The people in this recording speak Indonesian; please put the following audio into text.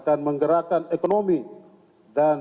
kami tidak keberanian